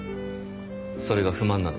それが不満なの？